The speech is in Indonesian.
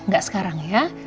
gak sekarang ya